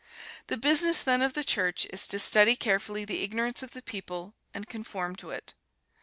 The business, then, of the Church is to study carefully the ignorance of the people and conform to it.